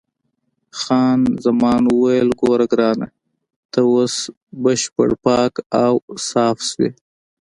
خان زمان وویل: ګوره ګرانه، ته اوس بشپړ پاک او صاف شوې.